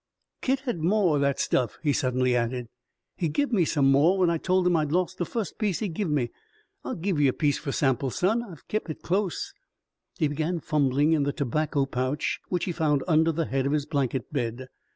"Kit had more o' that stuff," he suddenly added. "He give me some more when I told him I'd lost that fust piece he give me. I'll give ye a piece fer sample, son. I've kep' hit close." He begun fumbling in the tobacco pouch which he found under the head of his blanket bed.